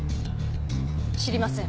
知りません。